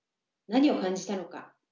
何を感じたのか？